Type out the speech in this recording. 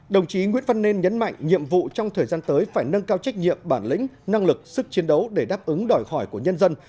đồng chí nguyễn văn nên nhấn mạnh nhiệm vụ trong thời gian tới phải nâng cao trách nhiệm bản lĩnh năng lực sức chiến đấu để đáp ứng đòi khỏi của nhân dân